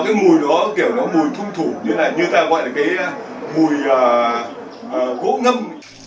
cái mùi đó kiểu mùi thung thủ như ta gọi là mùi gỗ ngâm